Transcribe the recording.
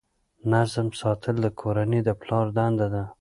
نظم ساتل د کورنۍ د پلار دنده ده.